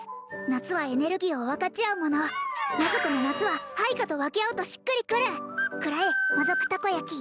夏はエネルギーを分かち合うもの魔族の夏は配下と分け合うとしっくりくるくらえ魔族たこ焼き